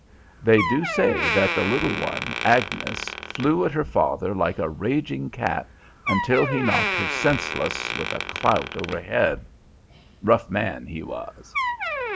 They do say that the little one Agnes flew at her father like a raging cat until he knocked her senseless with a clout over head; rough man he was."